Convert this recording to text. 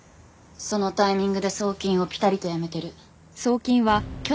そのタイミングで送金をピタリとやめてる。